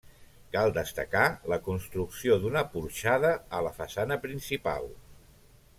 Cal destacar la construcció d'una porxada a la façana principal.